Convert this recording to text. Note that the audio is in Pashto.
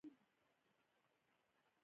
پښتون د خپل عزت لپاره سر ورکوي.